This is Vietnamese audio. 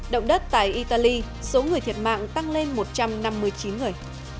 động đất tại italy số người thiệt mạng tăng lên một trăm năm mươi chín người